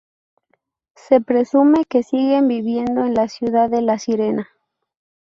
Se presume que siguen viviendo en la "Ciudad de la Sirena".